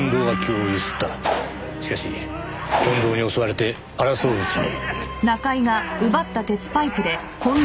しかし近藤に襲われて争ううちに。